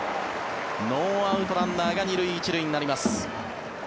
ノーアウトランナーが２塁１塁になります。